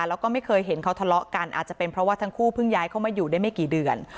แล้วก็ไม่เคยเห็นเขาทะเลาะกันอาจจะเป็นเพราะว่าทั้งคู่เพิ่งย้ายเข้ามาอยู่ได้ไม่กี่เดือน